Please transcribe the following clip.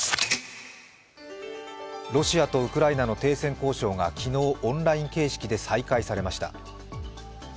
ロシアとウクライナの停戦交渉が昨日、オンライン形式で再開されました。